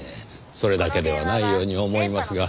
それだけではないように思いますが。